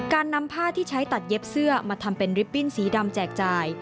การนำผ้าที่ใช้ตัดเย็บเสื้อมาทำเป็นริปบิ้นสีดำแจกจ่าย